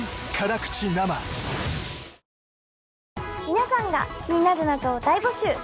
皆さんが気になる謎を大募集。